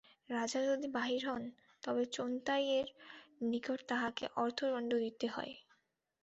রাজা যদি বাহির হন, তবে চোন্তাইয়ের নিকটে তাঁহাকে অর্থদণ্ড দিতে হয়।